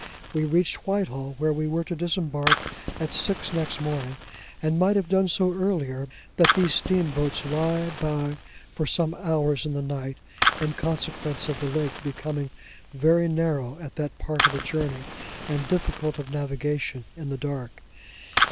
We reached Whitehall, where we were to disembark, at six next morning; and might have done so earlier, but that these steamboats lie by for some hours in the night, in consequence of the lake becoming very narrow at that part of the journey, and difficult of navigation in the dark.